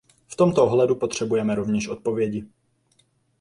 V tomto ohledu potřebujeme rovněž odpovědi.